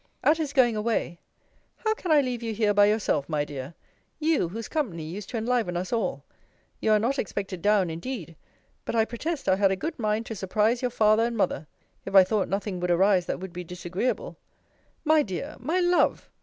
At his going away How can I leave you here by yourself, my dear? you, whose company used to enliven us all. You are not expected down indeed: but I protest I had a good mind to surprise your father and mother! If I thought nothing would arise that would be disagreeable My dear! my love!